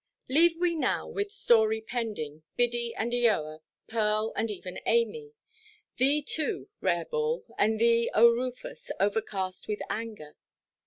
Leave we now, with story pending, Biddy and Eoa, Pearl, and even Amy; thee, too, rare Bull, and thee, O Rufus, overcast with anger.